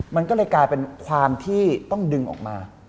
มันก็เลยกลายเป็นความที่ต้องดึงออกมา